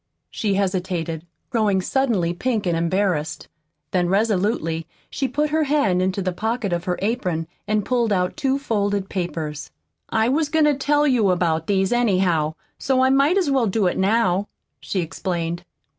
She hesitated, growing suddenly pink and embarrassed. Then resolutely she put her hand into the pocket of her apron and pulled out two folded papers. "I was goin' to tell you about these, anyhow, so I might as well do it now," she explained.